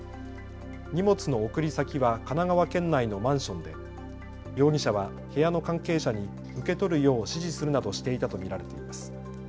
荷物の送り先は神奈川県内のマンションで容疑者は部屋の関係者に受け取るよう指示するなどしていたと見られています。